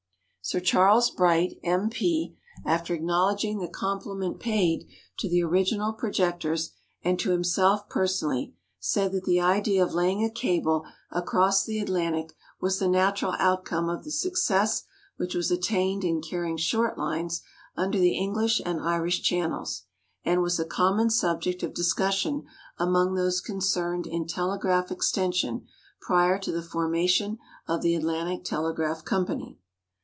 Sir Charles Bright, M.P., after acknowledging the compliment paid to the "original projectors" and to himself personally, said that the idea of laying a cable across the Atlantic was the natural outcome of the success which was attained in carrying short lines under the English and Irish Channels, and was a common subject of discussion among those concerned in telegraph extension prior to the formation of the Atlantic Telegraph Company.